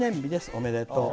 おめでとう。